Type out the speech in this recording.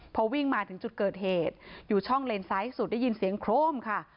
พอวิ่งมาถึงจุดเกิดเหตุอยู่ช่องเลนซ้ายสุดได้ยินเสียงโครมค่ะ